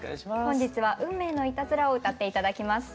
本日は「運命の悪戯」を歌って頂きます。